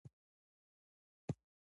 زه هره میاشت یو نوی ګټور کتاب اخلم.